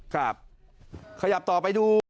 ครับขยับต่อไปดู